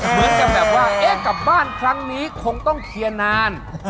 เหมือนกับแบบว่าเอ๊ะกลับบ้านครั้งนี้คงต้องเคลียร์นาน